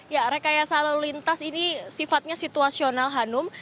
ya rekayasa lalu lintas ini sifatnya situasional hanum